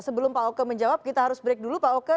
sebelum pak oke menjawab kita harus break dulu pak oke